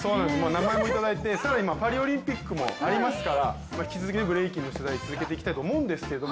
名前もいただいて、更にパリオリンピックもありますから引き続き、ブレイキンの取材を続けていきたいと思うんですけど